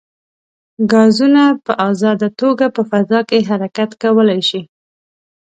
ګازونه په ازاده توګه په فضا کې حرکت کولی شي.